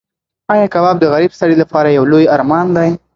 ایا کباب د غریب سړي لپاره یو لوی ارمان دی؟